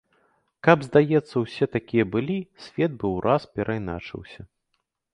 Каб, здаецца, усе такія былі, свет бы ўраз перайначыўся.